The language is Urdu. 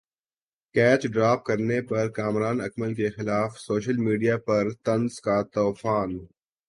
کیچ ڈراپ کرنے پر کامران اکمل کیخلاف سوشل میڈیا پر طنز کا طوفان